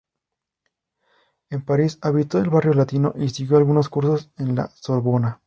En París habitó el Barrio Latino y siguió algunos cursos en La Sorbona.